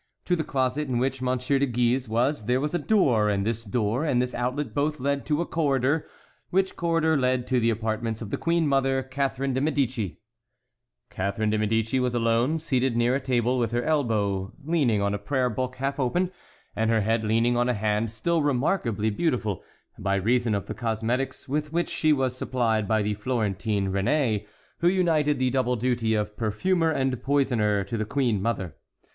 To the closet in which Monsieur de Guise was there was a door, and this door and this outlet both led to a corridor, which corridor led to the apartments of the queen mother, Catharine de Médicis. Catharine de Médicis was alone, seated near a table, with her elbow leaning on a prayer book half open, and her head leaning on a hand still remarkably beautiful,—by reason of the cosmetics with which she was supplied by the Florentine Réné, who united the double duty of perfumer and poisoner to the queen mother.